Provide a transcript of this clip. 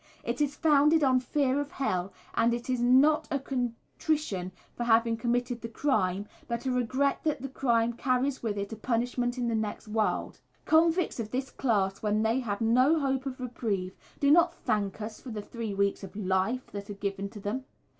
It is founded on fear of hell, and is not a contrition for having committed the crime, but a regret that the crime carries with it a punishment in the next world. Convicts of this class, when they have no hope of reprieve, do not thank us for the three weeks of "life" that are given to them.